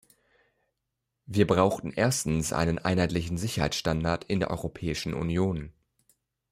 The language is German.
Wir brauchen erstens einen einheitlichen Sicherheitsstandard in der Europäischen Union.